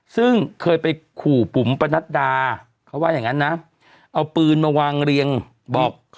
ซึ่งเคยไปขู่ปุ๋มประนัดดาเขาว่าอย่างงั้นนะเอาปืนมาวางเรียงบอก